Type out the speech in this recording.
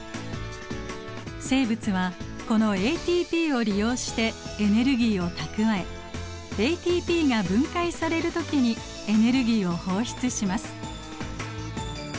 生物はこのＡＴＰを利用してエネルギーを蓄えＡＴＰが分解される時にエネルギーを放出します。